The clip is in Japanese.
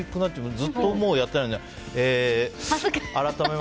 ずっとやってないので。